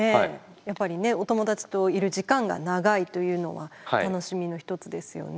やっぱりねお友達といる時間が長いというのは楽しみの一つですよね。